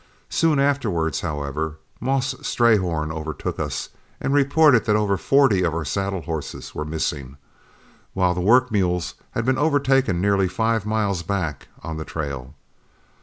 Soon afterwards, however, Moss Strayhorn overtook us, and reported that over forty of our saddle horses were missing, while the work mules had been overtaken nearly five miles back on the trail.